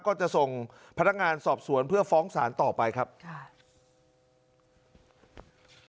ก็จะส่งพนักงานสอบสวนเพื่อฟ้องศาลต่อไปครับค่ะ